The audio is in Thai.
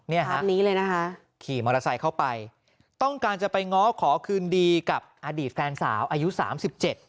เนี่ยฮะคันนี้เลยนะคะขี่มอเตอร์ไซค์เข้าไปต้องการจะไปง้อขอคืนดีกับอดีตแฟนสาวอายุสามสิบเจ็ด